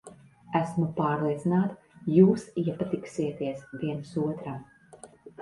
Esmu pārliecināta, jūs iepatiksieties viens otram.